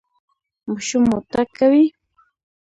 ماشوم مو تګ کوي؟